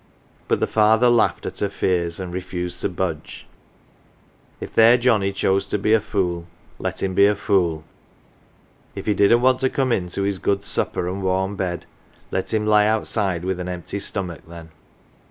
But the father laughed at her fears and refused to budge. If their Johnnie chose to be a fool, let him be a fool. If he didn't want to come in to his good supper and warm bed, let him lie outside with 63 7 CELEBRITIES an empty stomach then.